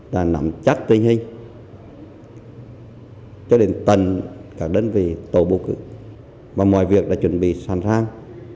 đã nắm chắc tình hình cho đến tầng các đơn vị tổ bộ cử mà mọi việc đã chuẩn bị sẵn sàng